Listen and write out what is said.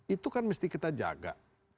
itu kan mesti kita jaga